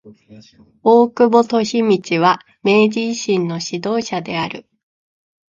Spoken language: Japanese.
大久保利通は明治維新の指導者である。